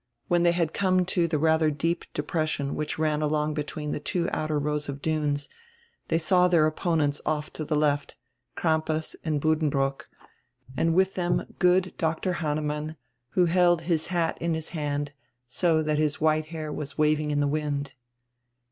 When diey had come to die radier deep depression which ran along between die two outer rows of dunes diey saw dieir opponents off to die left, Crampas and Buddenbrook, and with diem good Dr. Hannemann, who held his hat in his hand, so diat his white hair was waving in die wind.